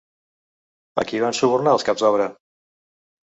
A qui van subornar els caps d'obra?